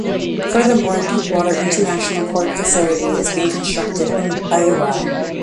Furthermore, a deep-water international port facility is being constructed in Beira.